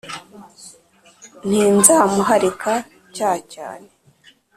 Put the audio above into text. nti nzamuharika.cya cyane